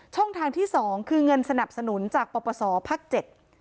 ช่องทางที่๒คือเงินสนับสนุนจากประประสอบภักดิ์๗